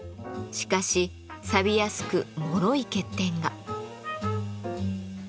しかしさびやすくもろい欠点が。